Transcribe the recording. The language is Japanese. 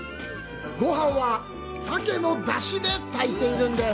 ごはんは鮭の出汁で炊いているんです。